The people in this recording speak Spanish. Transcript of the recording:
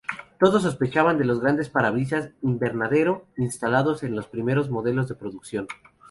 Todos sospechaban de los grandes parabrisas "invernadero" instalados en los primeros modelos de producción.